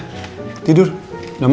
sebelum tidur istirahat